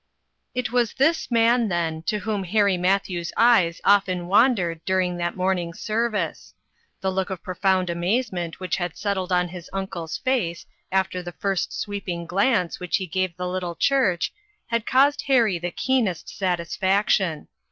IT was this man, then, to whom Harry Matthews' eyes often wandered during that morning service. The look of pro found amazement which had settled on his uncle's face after the first sweeping glance which he gave the little church, had caused Harry the keenest satisfaction.